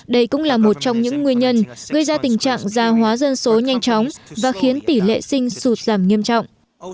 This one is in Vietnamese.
đây cũng là một trong những nguyên nhân gây ra tình trạng gia hóa dân số nhanh chóng và khiến tỷ lệ sinh sụt giảm nghiêm trọng